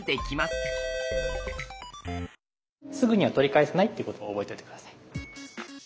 すぐには取り返せないということを覚えておいて下さい。